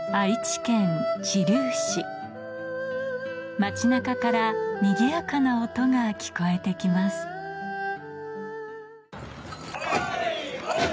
街中からにぎやかな音が聞こえてきますハイ！